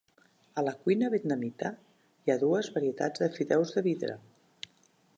A la cuina vietnamita, hi ha dues varietats de fideus de vidre.